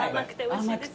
甘くて。